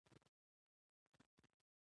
که لینک وي نو ویبپاڼه نه ورکیږي.